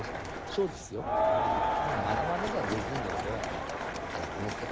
そうですよ。学ばなきゃできんようではねこの世界では生きていけない。